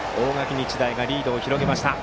日大がリードを広げました。